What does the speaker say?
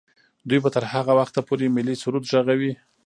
دوی به تر هغه وخته پورې ملي سرود ږغوي.